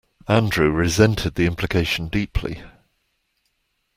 Andrew resented the implication deeply.